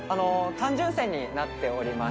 単純泉になっておりまして。